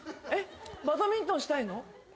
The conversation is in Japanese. バドミントンしたいの？